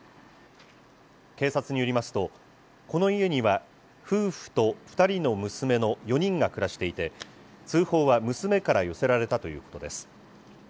警察によりますと、この家には、夫婦と２人の娘の４人が暮らしていて、通報は娘から寄せられたということです。